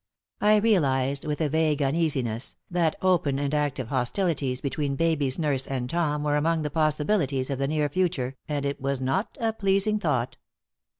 I realized, with a vague uneasiness, that open and active hostilities between baby's nurse and Tom were among the possibilities of the near future, and it was not a pleasing thought.